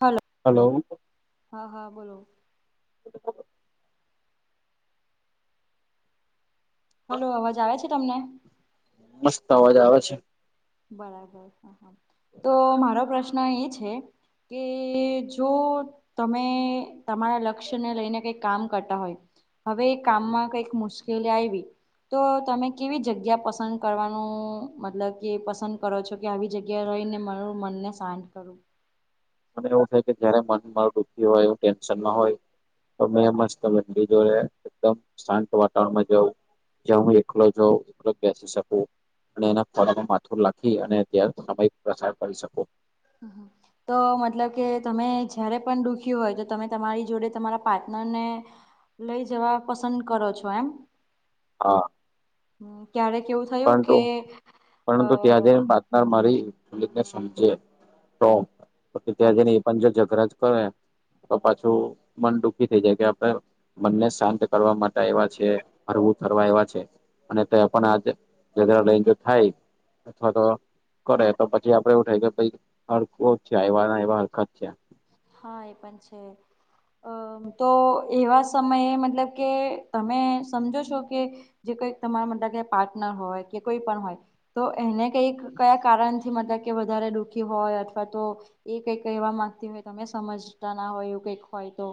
Hello hello હા હા બોલો બ હલો અવાજ આવે છે તમને મસ્ત અવાજ આવે છે બરાબર તો મારો પ્રશ્ન એ છે કે જો તમે તમારા લક્ષ્યને લઈને કઈ કામ કરતા હોય હવે એ કામમાં કઈક મુશ્કેલી આવી તો તમે કેવી જગ્યા પસંદ કરવાનું મતલબ એ પસંદ કરો છો કે આવી જગ્યાએ રહી ને મારું મન ને શાંત કરું મને એવું થાય કે જયારે મનમાં દુઃખી હોય કે ટેન્શનમાં હોય તો મે મસ્ તમેડી જોડે એકદમ શાંત વાતાવરણમાં જવું જ્યાં હું એકલો જાઉ એકલો બેસી શકું અને એના ખોડામાં માથુ લાખી અને ત્યાં સમય પ્રસાર કરી શકું હહા તો મતલબ કે તમે જયારે પણ દુખી હોય તો તમે તમારી જોડે તમારા પાર્ટનર ને લઈ જવા પસંદ કરો છો એમ હા હ ક્યારે કેવું થયું પરંતુ કે અ ને મારીને [unintelligible] સમજે તો ત્યાં જે ને પણં જો ઝઘરા જ કરે તો પાછું મન દુઃખી થઈ જાય કે આપડે મનને શાંત કરવા માટે આયવા છે ફરવું ફરવા આયવા છે ને તય પણ આજ જધરા તય જો થાય અથવા તો કરે તો પછી આપડે એવું થાય કે ભઈ હળખું જ છે એવા ના એવા હળખા જ છે હા એ પણ છે [inaudible] તો એવા સમયે મતલબ કે તમે સમજો છો કે જે કઈક તમારા મા ક પાર્ટનર હોય કે કોઈ પણ હોય તો એને કંઈક કયા કારણથી મતલબ કે વધારે દુઃખી હોય અથવા તો એ કઈક એવા માંગતી હોય તમે સમજતા ના હોય એવું કઈક હોય તો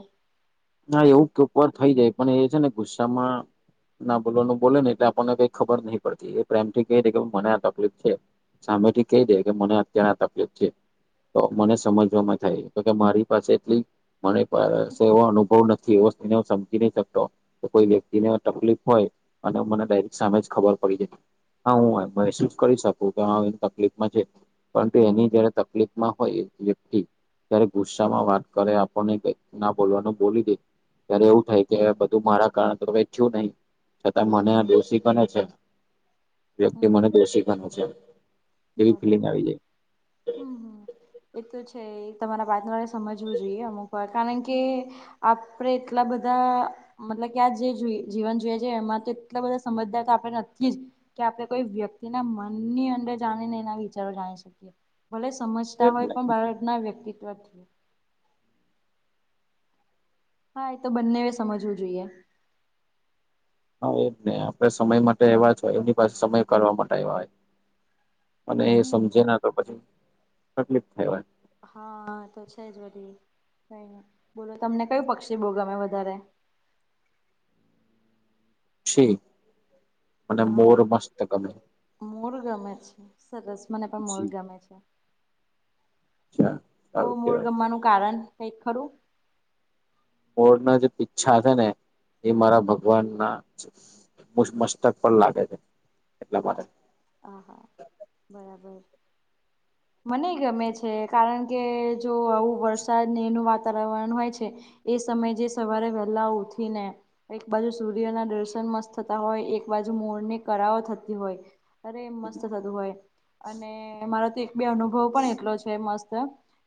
ના એવું તો ઉપર થઈ જાય પણ એ છે ને ગુસ્સામાં ના બોલવાનું બોલે ને એટલે આપણને કઈ ખબર નહી પડતી એ પ્રેમ થી કઈ ર કે મને આ તકલીફ છે સામેથી કહી દે કે મને અત્યારે આ તકલીફ છે તો મને સમજવામાં થાય તો કે મારી પાસે એટલી મને સેવા અનુ બ નથી એ વાતને હ સમજી નઈ શકતો તો કોઈ વ્યક્તિને તકલીફ હોય અને મને ડાયરેક્ટ સામે જ ખબર પડી જતી હા હું મહેસૂસ કરી શકું કે તકલીફમાં છે પરંતુ એની જયારે તકલીફમાં હોય વ્યક્તિ ત્યારે ગુસ્સા માં વાત કરે આપણને કઈ ના બોલવાનું બોલી દે ત્યારે એવું થાય કે બધું મારા કારણે તોચચું નહી છતાં મને આ દોષી બને છે વ્યક્તિ હમ મને દોષી બને છે બરાબર હ હમ હમ એ તો છે તમારા વાત ન વારે સમજવું જોઈએ અમુક વાર કારણ કે આપડે એટલા બધા મતલબ કે આ જે જીવન જોઈએ છે એમાં તો એટલા બધા સમજદાર તો આપણે નથી જ કે આપણે કોઈ વ્યક્તિ ના મનની અંદર જાણી ને એના વિચારો જાણી શકીએ ભલે સમજતા એટલે હોય પણ બાળપણના વ્યક્તિત્વથી હા એ તો બંને સમજવું જોઈએ હા એજ ને આપડે સમય માટે એવા જ હોય એની પાસે સમય કરવા માટે આવ્યા હોય. અને એ હમ. સમજે ના તો પછી તકલીફ થઈ હોય. હા તો છે જ બધી કઈ બોલો તમને કયું પક્ષી બોવ ગમે વધારે? ક્ષી મને હા. મોર મસ્ત ગમે. મોર ગમે છે સરસ. મને પણ મૂળ જી ગમે છે તો સારું મૂળ કેવાય ગમવાનું કારણ એ ખરું. મોડ ના જે પીચ્છા છે ને એ મારા ભગવાન ના છે. મસ્તક પણ લાગે છે એટલા મરે ઓહા, બરાબર. [inaudible] મને ગમે છે કારણ કે જો આવું વરસાદ એનું વાતાવરણ હોય છે. એ સમય જે સવારે વહેલા ઉઠીને. એક બાજુ સૂર્યના દર્શન મસ્ત થતા હોય એક બાજુ મોરની કરાઓ થતી હોય. અરે એ મસ્ત થતું હોય અને મારો તો એક બે અનુભવ પણ એટલો છે મસ્ત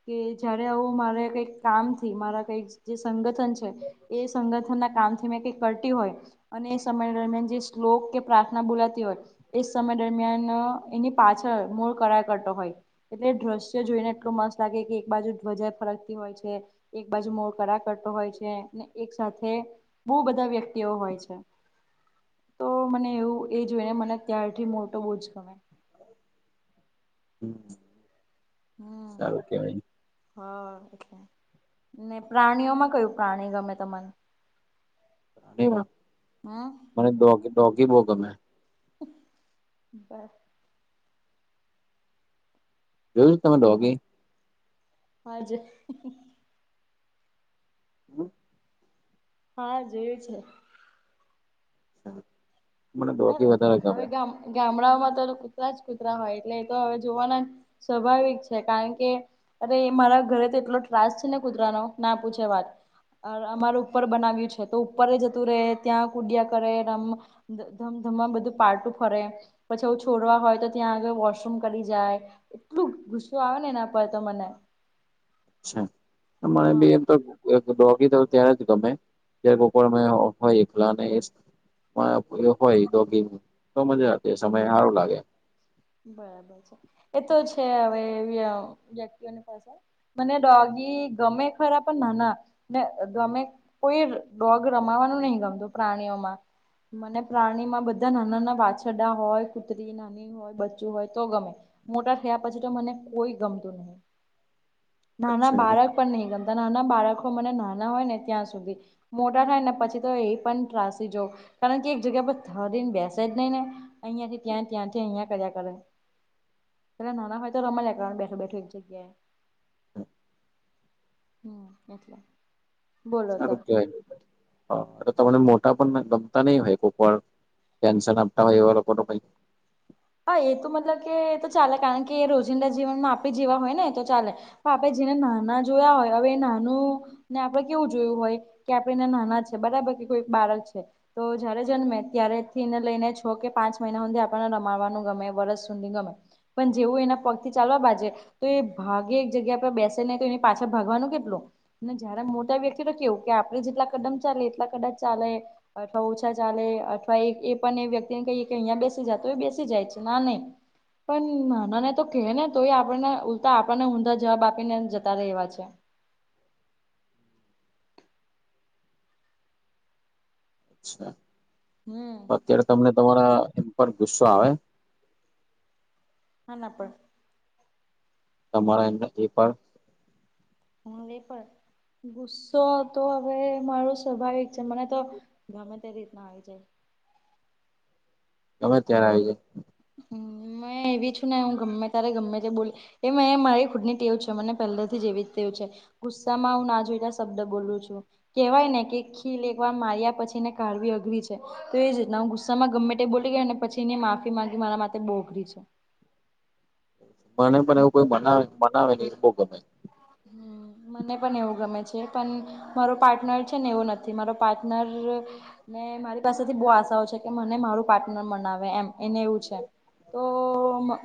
કે જય્યારે આવું મારે કઈક કામથી મારા કઈક જે સંગઠન છે. એ સંગઠન ના કામ થી મેં કઈક કરતી હોય. અને એ સમય દરમિયાન જે શ્લોક કે પ્રાર્થના બોલાતી હોય છે. સમય દરમિયાન એની પાછળ મૂળ કરાય કરતો હોય. એટલે દ્રશ્ય જોઈને એટલું મસ્ત લાગે કે એક બાજુ ધ્વજા ફરકતી હોય છે. એક બાજુ મોળ કરા કરતો હોય છે ને એક સાથે બહુ બધા વ્યક્તિઓ હોય છે તો મને એવું એ જોઈને મને ત્યાં થી મોટો બોજ ગમે. હમ. હમ. હ એટલે ને, પ્રાણીઓમાં કયું પ્રાણી ગમે તને. હા મને દોગી દોગી બહુ ગમે. બસ જોયું છું તમે ડોગે. હાજે. હમ. હા જોયું છે. મને ડોગી વધારે ના હવે ગમે ગામડાઓમાં તો કૂતરા જ કૂતરા હોય એટલે એ તો હવે જોવાના. સ્વાભાવિક છે કારણ કે. અરે મારા ઘરે તો એટલો ત્રાસ છે ને કૂતરાનો ના પૂછે વાત. અમારે ઉપર બનાવ્યું છે તો ઉપર જતું રહે ત્યાં કુડિયા કરેમ ધમધમ બધું પાર્ટું ફરે પછી આવું છોડવા હોય તો ત્યાં આગળ વોશરૂમ કરી જાય. એટલું ગુસ્સો આવે ને એના પર તો મને. છે હા અમારેબી એમ તો. ડોકી તો ત્યારે જ ગમે જ્યારે બપર હોય એકલા ને હોય તોગી તો મજાતી સમય સારું લાગે. બરાબર છે એ તો છે હવે વ્યક્તિઓને પાસે મને ડોગી ગમે ખરા પણ ના, ના ગમે. કોઈ ડોગ રમાવાનું નહી ગમતું પ્રાણીઓમાં. મને પ્રાણી માં બધા નાના ના વાછડા હોય કુત્રી નાની હોય. બચ્ચું હોય તો, ગમે મોટા થયા, પછી તો મને કોઈ ગમતું નહી. નાના અચ્છા એવું બાળક પણ નહ ગમતા નાના બાળકો મને નાના હોય ને ત્યાં સુધી. મોટા થાય ને પછી તો એ પણ ત્રાસી જો કારણ કે એક જગ્યા પર થડીને બેસે જ નહી ને અહીંથી ત્યાં ત્યાથી અહીયા. કર્યા કરે પ નાના હોય તો રમ જ કરવા બેઠો બેઠું એક જગ્યાએ. છે. હમ એટલે [unintelligible] બોલો અ તો [unintelligible] હ એટલે તમને મોટા પણ ગમતા નહી હોય કોઈ પણ ટેન્શન આપતા હોય એવા લોકો ન કઈ હા એ તો મતલબ કે તો ચાલે કારણ કે રોજિંદા જીવનમાં આપી જેવા હોય ને એ તો ચાલે પાપે જેને નાના જોયા હોય હવે નાનું ને આપડે કેવું જોયું હોય કે આપડે એના નાના છે બરાબર કે કોઈ બાળક છે તો જયારે જન્મે ત્યારે થીને લઈને છ કે પાંચ મહિના સુધી આપને મારવાનું ગમે વરસ સુધી ગમે પણ જેવું એના પગ થી ચાલવા બાજે તો એ ભાગે એક જગ્યા પર બેસે ને તો એની પાછા ભાગવાનું કેટલું ને જ્યારે મોટા વ્યક્તિ તો કેવું કે આપડે જેટલા કદમ ચાલે એટલા કદા ચાલે અથવા ઓછા ચાલે અથવા એ પણ એ વ્યકતિને કહીએ કે અહિયા બેસી જતો એ બેસી જાય છે ના નહી પણ નાના ને તો કહે ને તોય આપણને ઉલતા આપણને ઊંધા જવાબ આપીને જતા રહે એવા છે આ હમ તો અત્યારે એટલે તમને તમારા એમ પર ગુસ્સો આવે હા ના પણ તમારા અર એ પણ હ લે પણ ગુસ્સો તો હવે મારો સ્વાભાવિક છે મને તો ગમે તે રીતના આવી જાય ખબર અત્યારે આવી જાય મે એવી છું ને હું ગમે તારે ગમે તે બોલી એ મેં મારી ખુદ ની ટેવું છે મને પહેલાથી જેવી જ તેું છે ગુસ્સામાં હું ના જોઈતા શબ્દ બોલું છું કેહેવાય ને કે ખીલ એકવાર માર્યા પછી ને કાઢવી અઘરી છે તો એ જ રતના હું ગુસ્સામાં ગમે તે બોલી ગયો અને પછી એને માફી ગ મારા માટે બોગરી છું મને પણ એવું કોઈ મનાવે મનાવે નહી બહુ ગમે હમ મને પણ એવું ગમે છે પણ મારો પાર્ટનર છે ને એવો નથી મારો પાર્ટનર મે મારી પાસેથી બહુ આશાઓ છે કે મને મારું પાર્ટનર મનાવે એમ એને એવું છે તો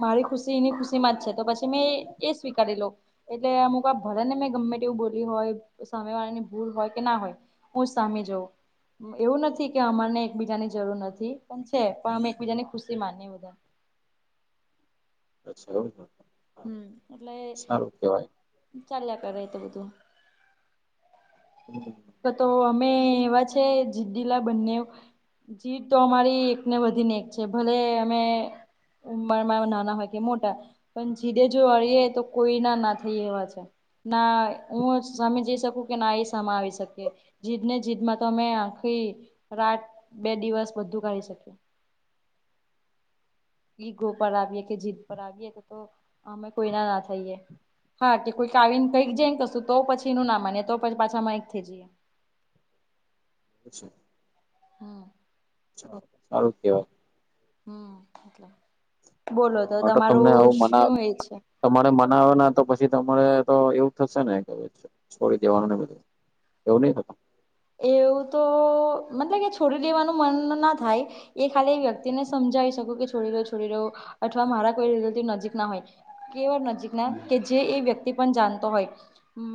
મારી ખુશી એની ખુશી માં જ છે તો પછી મેં એ સ્વીકારી લો. એટલે અમુક ભજને મેં ગમે તેવું બોલી હોય સામે વાળા ની ભૂલ હોય કે ના હોય હું જ સામે જઉં એવું નથી કે અમારને એકબીજા ની જરૂર નથી પણ છે પણ અમે એકબીજા ની ખુશી માનીએ બધા [unintelligible] હમ્મ એટલે સારું કેવાય ચાલ આપ્યા ર તો બધું [unintelligible] તો અમે એવા છે જિદીલા બંનેવ જી તો અમારી એકને વધીને એક છે ભલે અમે ઉરમાં નાના હોય કે મોટા પણ જીદે જો હળએ તો કોઈ ના ના થઈ એવા છે. ના હું સામે જઈ શકું કે ના એ સમા આવી શક જીદ ને જીદ માં તો અમે આખી રાત બે દિવસ બધું કરીશ ઈ ઘો પર આવીએ કે જીદ પર આવીએ તો તો અમે કોઈના ના થઈએ હા કે કોઈક આવીને કંઈક જમ કશું તો પછી નું ના માનીએ તોછી પાછા મા એકક થઈ જઈએ ચ્છા હા. હારું કેવાય હમ બોલો તો હા તમને તમારું આવું મના શું એ છે. તમારે મનાવે ના તો પછી તમારે તો એવું થશે ને કે છોડી દેવાનું ને બધું એવું નહં થ એવું તો મતલબ કે છોડી દેવાનું મન ના થાય એ ખાલી એ વ્યક્તિને સમજાવી શકું કે છોડી દ છોડી દું અથવા મારા કોઈ ર નજીક ના હોય કેવાળ નજીક ના કે જે એ વ્યક્ત ક્તિ જાનતો હોય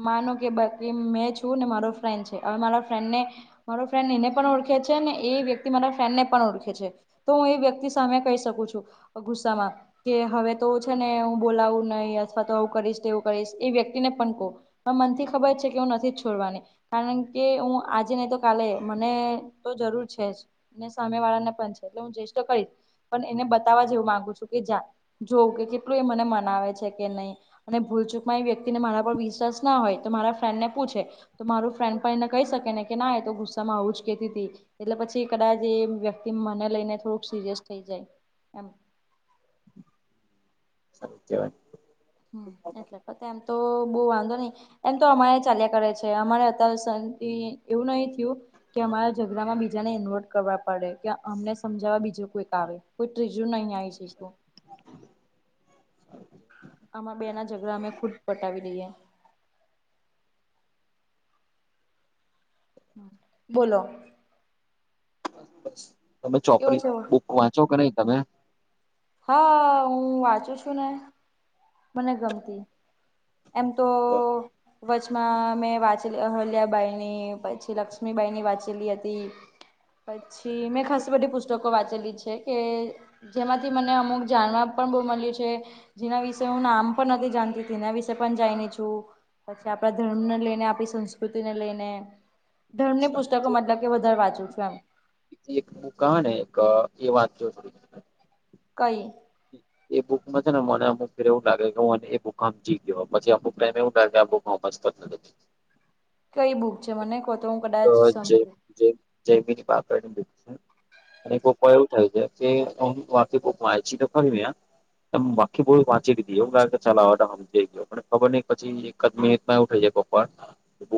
માનો કે બાકી મેં છું ને મારો ફ્રેન્ડ છે હવે મારા ફ્રેડને મારો ફ્રેન્ડ એને પણ ઓળખે છે ને એ વ્યક્તિ મારા ફ્રેન્ડને પણ ઓળખે છે. તો હું એ વ્યક્તિ સામે કહી શકું છું ગુસ્સામાં. કે હવે તો છે ને હું બોલાવું નહીિ અથવા તો આવું કરીશ તો એવું કરીશ એ વ્યક્તિ ને પણ કવ પણ મનથી ખબર છે કે હું નથી છોડવાની કારણ કે હું આજે નહી તો કાલે મને તો જરૂર છે જ. સામે વાળા ને પણ છે એટલે હું જષઠ કરીશ પણ એને બતાવવા જેવું માંગુ છું. કે જોવું કે કેટલું એ મને મનાવે છે કે નહીં અને ભૂલચૂકમાં વ્યક્તિને મારા પર વિશ્વાસ ના હોય તો મારા ફ્રેન્ડ ને પૂછે. તો મારું ફ્રેન્ડ પાઈને કઈસ ને કે ના એ તો ગુસ્સામાં આવું જ કેતી હતી એટલે પછી કદાચ એ વ્યક્તિ મને લઈને થોડુંક સિરિયસ થઈ જાય એમ. સારુ કેવાય. હમ્મ એટલે એમ તો બહુ વાંધો નઈ. એમ તો અમારે ચાલ્યા કરે છે અમારે અત્યારે શંતિ એવું નહી થયું કે અમારાઝઘડામાં બીજાને ઇન્વર્ટ કરવા પડે કે અમને સમજાવવા બીજું કોઈક આવે. કોઈ ત્રીજું નહી આઈ શેયકૂ આમાં બે ના ઝઘડા અમે ખુદ પટાવી દઈએ. બોલો? બસ તમે કેવો ચોપડી છે બુક વાંચો કે નઈ તમે? હા હું વાંચું છું ને મને ગમતી એમ તો કછમાં મેં વાંચેલી અહલ્યાબાઈ ની પછી લક્ષ્મીબાઈ ની વાંચેલી હતી. પછી મેં ખાસ બધી પુસ્તકો વાંચેલી છે કે જેમાં થી મને અમુક જાણવા પણ બહુ મળ્યું છે. જેના વિશે હું નામ પણ નથી જાણતી તેના વિશેે પણ જાઈળુ છું. પછી આપણા ધર્મને લઈને આપણી સંસ્કૃતિને લઈને- - ધર્મની પુસ્તકો મતલબ કે વધારે વાંચું છું એમ. એક બુક હ ને એક એ વાત જો થડી- - કઈ? એ બુકમાં છેને મને અમુફ વાર એવું લાગે કે હુંને એ બુક આમ જી ગયો પછ અમુ પ્રેમ એવું લાગે આ બક- - હ બસ પત નથી- - કઈ બુક છે મને? તો હું કદાચ એક જ સમજુ જ જયમીની પાપડાને બે- - અને પપ્પ એવું થયું છે કે અ વાકી પપ માયચી તો ખરી- - એમ બાકી બોુ વાંચી એ કે ચલાવવા- - જઈ ગયો પણ ખબર નહ પછી એકદ મિનિટ ના ઉઠી જાય પપ્પા બુ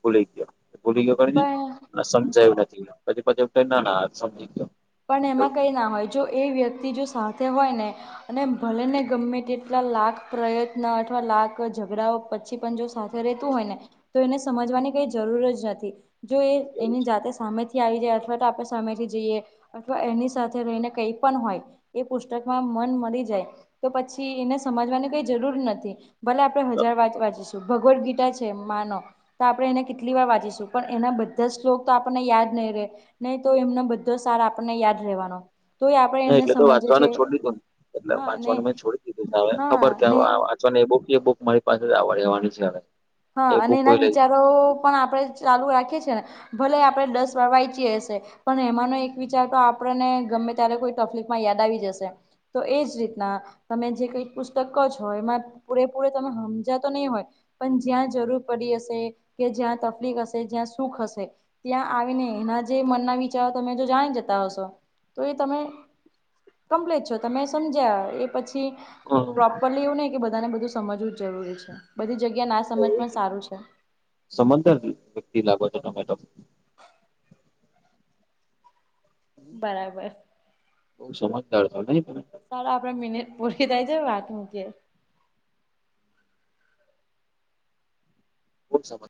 ભુલી ગયો. ભૂલી ગયો ઘ પણ ને સમજાયું નથી પછી પછી ના ના સમજી ગયો. પણ એમાં કઈ એવું ના હોય જો એ વ્યક્તિ જો સાથે હોય ને- - અને ભલે ને ગમે તેટલા લાખ પ્રયત્ન અથવા લાખ ઝઘડાઓ પછી પણ જો- - રહેતું હોય ને તો એને સમજવાની કઈ જરૂર જ નથી. જો એ એવું એની જાતે સામેથી આવી જાય અથવા તો આપણે સામેથી જઈએ- - અથવા એની સાથે રહીને કઈ પણ હોય એ પુસ્તકમાં મન મળી જાય તો પછી એને સમજવાની કઈ જરૂર નથી ભલે આપડે હજાર વાત વાંચીએ. ભગવદ ગીતા છે માનો- - તો આપણે એને કેટલી વાર વાંચીશું પણ એના બધા શ્લોક તો આપણને યાદ નહીં રહે. નહી તો એમનો બધો સારા આપણને યાદ રહેવાનો. તોય આપણે ન એને એટલે તો સમજીએ વાંચવાને છે છોડી દધુંને એટલે હા અને વાંચવાનું મેં છોડી દીધું છે હવે હા ખબર કે ને હ- - ને એ બુક એ બુક મારી પાસે જ આવવાડ રહેેવાની છે હવે- - હા અને એના વિચારો પણ આપણે ચાલુ રાખીએ છી ને ભલે આપડે દસ વાર વાંચીયએ હશે પણ એમાંનો એક વિચાર તો આપણને ગમે ત્યારે કોઈ તકલીફમાં યાદ આવી જશે તો એજ રીતના તમે જે કઈ પુસ્તકો જ હોય એમાં પૂરેપૂરે તમે સમજાતો નહીં હોય પણ જ્યાં જરૂર પડી હશે કે જ્યાં તકલીફ હશે જ્યાં સુખ હશે ત્યાં આવીને એના જે મનના વિચારો તમે જો જાણી જતા હશો તો એ તમે કમ્પ્લેટ છો તમે સમજ્યા એ પછી પ્રોપરલી એવું નહ કે બધાને બધું સમજવું જ જરૂરી છે બધી જગ્યા ના સમજ પણ સારું છે. સમજદાર વ્યક્તિ લાગો છો તમે. બરાબર. સમજદાર છો ને? હવે આપડે મિનિટ પૂરી થઈ ગઈ વાતની ઓછ